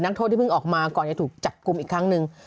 โทษที่เพิ่งออกมาก่อนจะถูกจับกลุ่มอีกครั้งหนึ่ง